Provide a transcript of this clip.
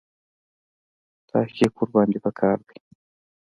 تحقیق ورباندې په کار دی.